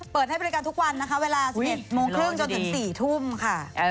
เปิดให้บริการทุกวันนะคะเวลา๑๑โมงครึ่งจนถึง๔ทุ่มค่ะ